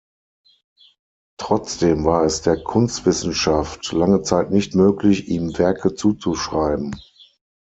Trotzdem war es der Kunstwissenschaft lange Zeit nicht möglich, ihm Werke zuzuschreiben.